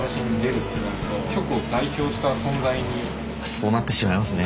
そうなってしまいますね